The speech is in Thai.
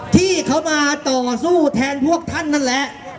ที่เขามาต่อสู้แทนพวกท่านนั่นแหละ